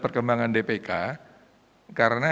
perusahaan dpk karena